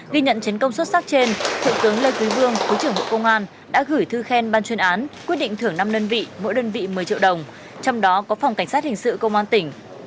ghi nhận chiến công xuất sắc trên thượng tướng lê quý vương thứ trưởng bộ công an đã gửi thư khen ban chuyên án quyết định thưởng năm đơn vị mỗi đơn vị một mươi triệu đồng trong đó có phòng cảnh sát hình sự công an tỉnh